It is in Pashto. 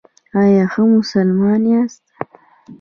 ایا ښه مسلمان یاست؟